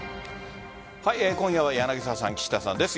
今夜は柳澤さん、岸田さんです。